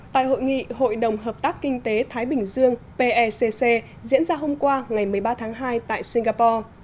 tại hội nghị hội đồng hợp tác kinh tế thái bình dương pecc diễn ra hôm qua ngày một mươi ba tháng hai tại singapore